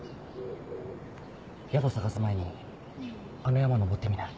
宿探す前にあの山登ってみない？